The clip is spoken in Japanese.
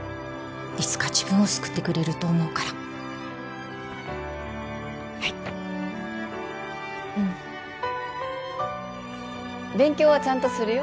いつか自分を救ってくれると思うからはいうん勉強はちゃんとするよ